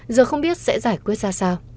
giờ không biết sẽ giải quyết ra sao